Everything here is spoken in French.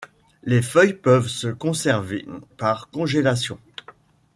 Les feuilles peuvent se conserver par congélation.